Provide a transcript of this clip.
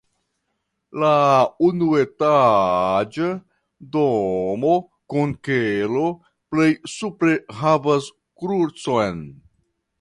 La unuetaĝa domo kun kelo plej supre havas krucon.